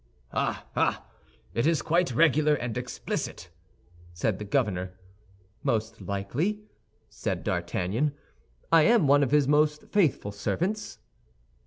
"Ah, ah! It is quite regular and explicit," said the governor. "Most likely," said D'Artagnan; "I am one of his most faithful servants."